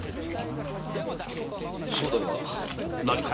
そうだが何か？